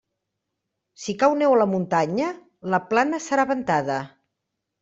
Si cau neu a la muntanya, la plana serà ventada.